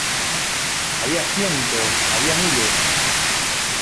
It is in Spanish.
había cientos, había miles.